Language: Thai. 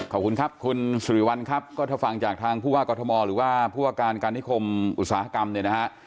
ขอบคุณครับคุณสุริวัลครับก็ถ้าฟังจากทางผู้ว่ากรทมหรือว่าผู้ว่าการการนิคมอุตสาหกรรมเนี่ยนะฮะ